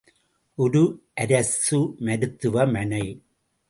ஒரு அரசு மருத்துவமனை.